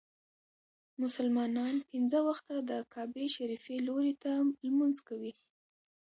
مسلمانان پنځه وخته د کعبې شريفي لوري ته لمونځ کوي.